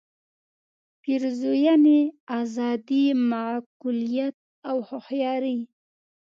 پېرزوینې آزادۍ معقولیت او هوښیارۍ.